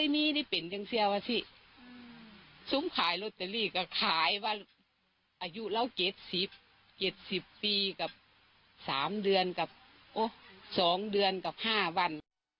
ผู้ตัดสดของนังใช้สนุกต่างการสนุกก็พาของหลายหนึ่งคนนะครับ